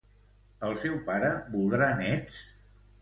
El seu pare voldrà néts?